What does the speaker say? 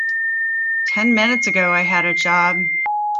Ten minutes ago I had a job.